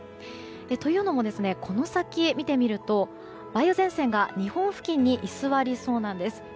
というのも、この先見てみると梅雨前線が日本付近に居座りそうなんです。